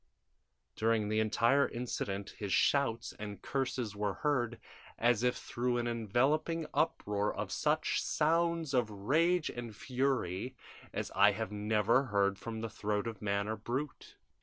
During the entire incident his shouts and curses were heard, as if through an enveloping uproar of such sounds of rage and fury as I had never heard from the throat of man or brute!